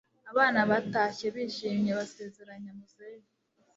abana batashye bishimye basezeranya muzehe